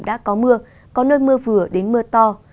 đã có mưa có nơi mưa vừa đến mưa to